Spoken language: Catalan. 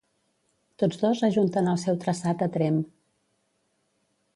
Tots dos ajunten el seu traçat a Tremp.